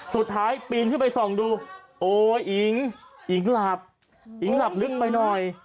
สุดท้ายปีนขึ้นไปส่องดูโอ้ยอิงอิงหลับอิงหลับลึกไปหน่อย